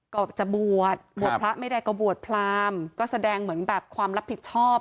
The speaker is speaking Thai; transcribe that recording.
ก็จะบวชบวชพระไม่ได้ก็บวชพรามก็แสดงเหมือนแบบความรับผิดชอบ